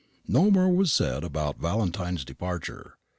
No more was said about Valentine's departure.